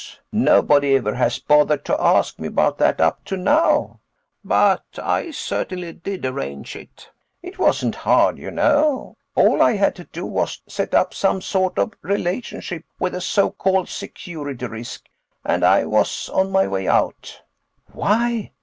Nobody ever has bothered to ask me about that up to now, but I certainly did arrange it. It wasn't hard, you know. All I had to do was set up some sort of relationship with a so called security risk, and I was on my way out."